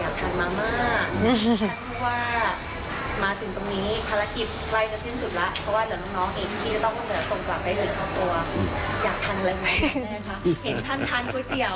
เพราะว่าเดี๋ยวน้องเองคิดว่าต้องส่งกลับไปเถอะครับตัว